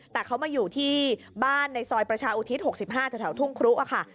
แต่เขามาอยู่ที่บ้านในซอยประชาอุทิศ๖๕แถวทุ่งครุค่ะ